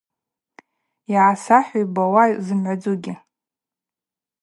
Йгӏасахӏв йубауа зымгӏвадзугьи.